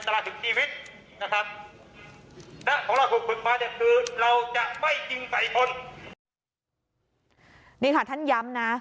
นะครับแล้วของเราคุณคุณมาเนี่ยคือเราจะไม่ยิงใส่คนนี่ค่ะท่านย้ำนะ